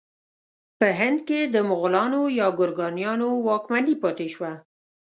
په هند کې د مغلانو یا ګورکانیانو واکمني پاتې شوه.